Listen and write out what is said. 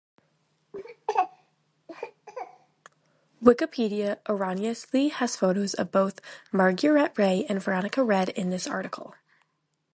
Wikipedia erroneously has photos of both Marguerite Ray and Veronica Redd in this article